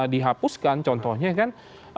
dihapuskan contohnya kan